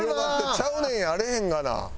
ちゃうねんやあらへんがな。